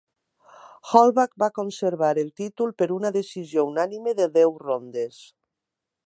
Hallback va conservar el títol per una decisió unànime de deu rondes.